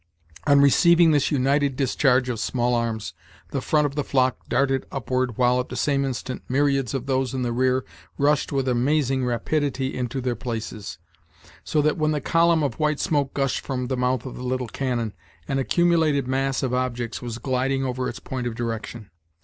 On receiving this united discharge of small arms, the front of the flock darted upward, while, at the same instant, myriads of those in the rear rushed with amazing rapidity into their places, so that, when the column of white smoke gushed from the mouth of the little cannon, an accumulated mass of objects was gliding over its point of direction.